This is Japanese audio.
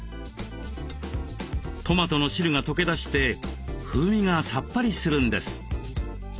トマトの汁が溶け出して風味がさっぱりするんです。